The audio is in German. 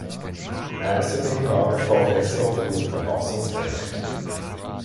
Außerdem war er Professor für Verfassungsrecht.